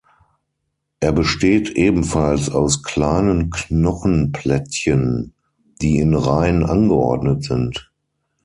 Er besteht ebenfalls aus kleinen Knochenplättchen, die in Reihen angeordnet sind.